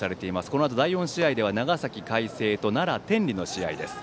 このあと第４試合では長崎・海星と奈良・天理の試合です。